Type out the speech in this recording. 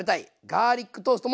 ガーリックトースト！